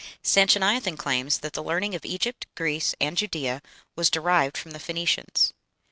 Sanchoniathon claims that the learning of Egypt, Greece, and Judæa was derived from the Phoenicians.